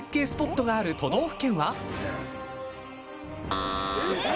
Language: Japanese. スポットがある都道府県は。